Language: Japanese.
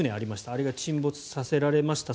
あれが沈没させられました。